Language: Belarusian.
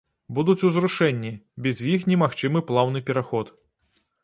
Будуць узрушэнні, без іх немагчымы плаўны пераход.